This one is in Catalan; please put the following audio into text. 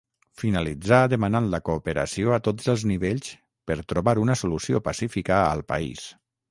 Finalitzà demanant la cooperació a tots els nivells per trobar una solució pacífica al país.